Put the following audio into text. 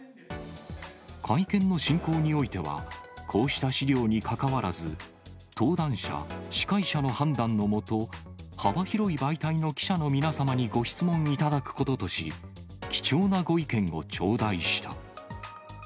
会見の進行においては、こうした資料にかかわらず、登壇者、司会者の判断の下、幅広い媒体の記者の皆様にご質問いただくこととし、貴重なご意見を頂戴した。